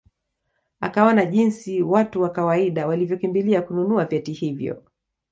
Akaona jinsi watu wa kawaida walivyokimbilia kununua vyeti hivyo